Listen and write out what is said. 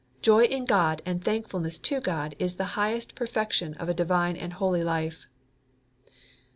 Joy in God and thankfulness to God is the highest perfection of a divine and holy life."